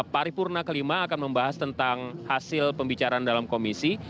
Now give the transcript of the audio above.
paripurna kelima akan membahas tentang hasil pembicaraan dalam komisi